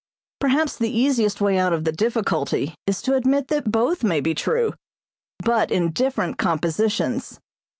Perhaps the easiest way out of the difficulty is to admit that both may be true but in different compositions.